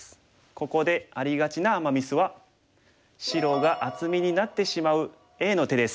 ここでありがちなアマ・ミスは白が厚みになってしまうＡの手です。